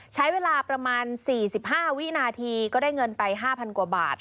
ใช้เวลาประมาณ๔๕วินาทีก็ได้เงินไป๕๐๐กว่าบาท